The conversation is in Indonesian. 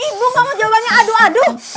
ibu nggak mau jawabannya aduh aduh